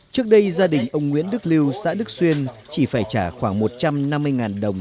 trước đây gia đình ông nguyễn đức lưu xã đức xuyên chỉ phải trả khoảng một trăm năm mươi đồng